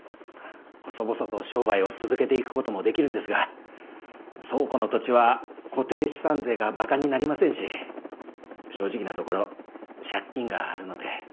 細々と商売を続けていくこともできるんですが倉庫の土地は固定資産税がバカになりませんし正直なところ借金があるので。